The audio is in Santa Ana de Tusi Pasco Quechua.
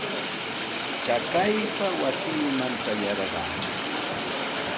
Chakaypa wasiiman ćhayarqaa.